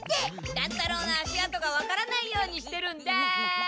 乱太郎の足あとがわからないようにしてるんです！